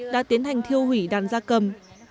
đã tiến hành tiêu hủy đàn gia cầm